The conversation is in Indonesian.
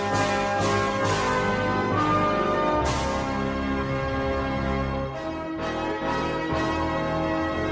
di sana tak ku lupa ku